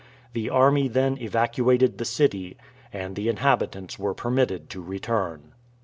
The army then evacuated the city and the inhabitants were permitted to return.